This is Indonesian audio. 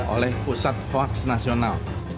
oleh pusat hoaks nasional